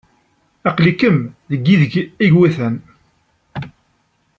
Aql-ikem deg yideg ay iwatan.